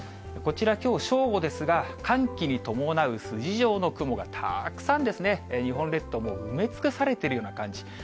こちら、きょう正午ですが、寒気に伴う筋状の雲がたくさんですね、日本列島、埋め尽くされているような感じ。